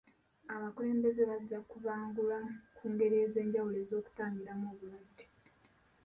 Abakulembeze bajja kubangulwa ku ngeri ez'enjawulo ez'okutangiramu obulwadde